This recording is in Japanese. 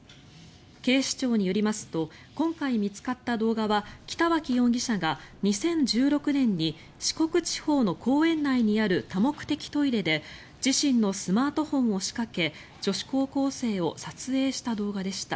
警視庁によりますと今回見つかった動画は北脇容疑者が２０１６年に四国地方の公園内にある多目的トイレで自身のスマートフォンを仕掛け女子高校生を撮影した動画でした。